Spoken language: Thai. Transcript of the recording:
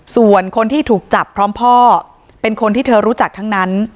ส่วนคนที่ถูกจับพร้อมพ่อเป็นคนที่เธอรู้จักทั้งนั้น